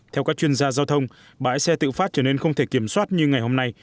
theo các chuyên gia giao thông bãi xe tự phát trở nên không thể kiểm soát như ngày hôm nay